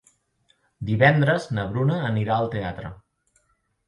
Divendres na Bruna anirà al teatre.